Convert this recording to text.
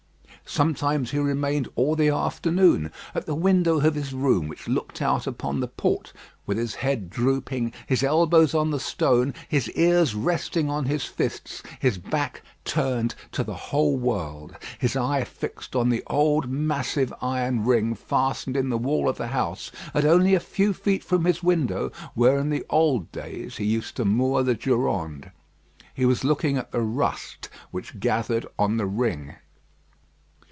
Sometimes he remained all the afternoon at the window of his room, which looked out upon the port, with his head drooping, his elbows on the stone, his ears resting on his fists, his back turned to the whole world, his eye fixed on the old massive iron ring fastened in the wall of the house, at only a few feet from his window, where in the old days he used to moor the Durande. He was looking at the rust which gathered on the ring.